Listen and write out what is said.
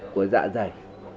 của dạ dày